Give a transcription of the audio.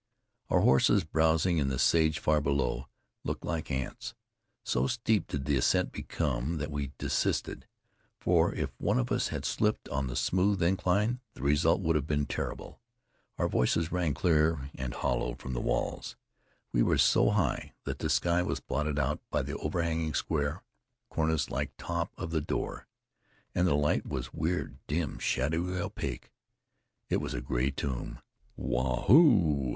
Our horses, browsing in the sage far below, looked like ants. So steep did the ascent become that we desisted; for if one of us had slipped on the smooth incline, the result would have been terrible. Our voices rang clear and hollow from the walls. We were so high that the sky was blotted out by the overhanging square, cornice like top of the door; and the light was weird, dim, shadowy, opaque. It was a gray tomb. "Waa hoo!"